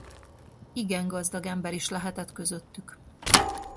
Igen gazdag ember is lehetett közöttük.